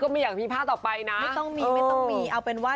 ไม่ต้องมีเอาเป็นว่า